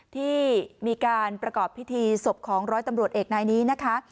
ที่มีการประกอบพิธีศพของร้อยตำรวจเอกนายนี้นะคะ